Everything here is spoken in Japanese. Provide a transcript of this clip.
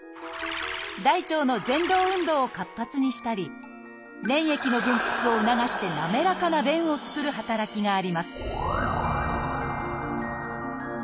大腸のぜん動運動を活発にしたり粘液の分泌を促してなめらかな便を作る働きがあります